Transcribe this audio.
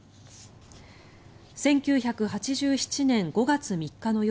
１９８７年５月３日の夜